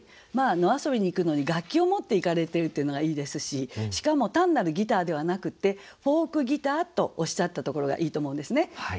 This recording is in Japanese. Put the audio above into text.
野遊びに行くのに楽器を持って行かれてるっていうのがいいですししかも単なるギターではなくて「フォークギター」とおっしゃったところがいいと思うんですね。